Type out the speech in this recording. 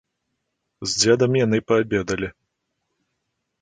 З дзедам яны паабедалі.